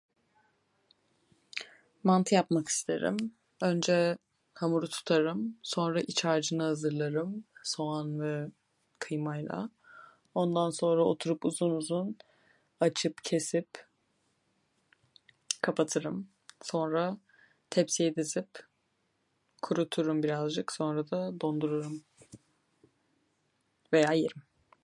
Mantı yapmak isterim. Önce hamuru tutarım, sonra iç harcını hazırlarım, soğan ve kıymayla. Ondan sonra oturup uzun uzun açıp, kesip kapatırım, sonra tepsiye dizip kuruturum birazcık, sonra da dondururum, veya yerim.